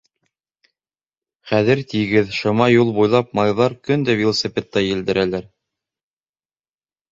Хәҙер тигеҙ, шыма юл буйлап малайҙар көн дә велосипедта елдерәләр.